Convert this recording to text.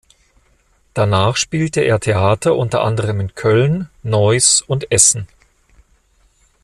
Danach spielte er Theater unter anderem in Köln, Neuss und Essen.